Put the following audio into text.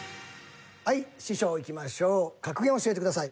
はいシショウいきましょう格言を教えてください。